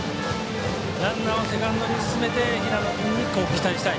ランナーをセカンドに進めて平野君に期待したい。